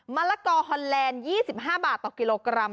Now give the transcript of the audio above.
มะละกอฮอนแลนด์๒๕บาทต่อกิโลกรัม